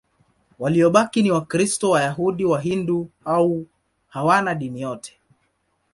Waliobaki ni Wakristo, Wayahudi, Wahindu au hawana dini yote.